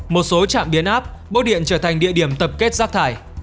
một số trạm biến áp bốc điện trở thành địa điểm tập kết rác thải